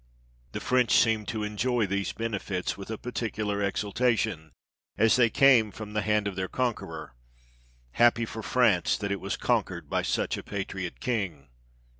The French seemed to enjoy these benefits with a particular exul tation, as they came from the hand of their conqueror ; happy for France, that it was conquered by such a patriot King